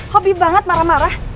hobi banget marah marah